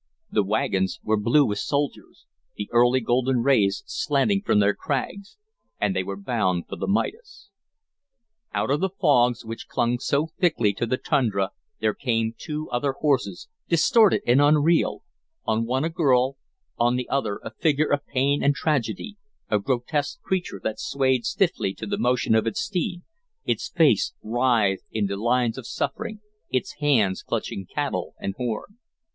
The wagons were blue with soldiers, the early golden rays slanting from their Krags, and they were bound for the Midas. Out of the fogs which clung so thickly to the tundra there came two other horses, distorted and unreal, on one a girl, on the other a figure of pain and tragedy, a grotesque creature that swayed stiffly to the motion of its steed, its face writhed into lines of suffering, its hands clutching cantle and horn.